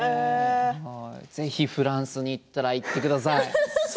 ぜひフランスに行ったら行ってください。